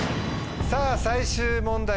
さぁ最終問題